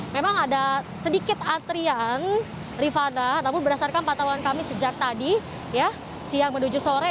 memang ada sedikit antrian rifana namun berdasarkan pantauan kami sejak tadi ya siang menuju sore